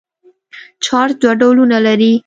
چارج دوه ډولونه لري.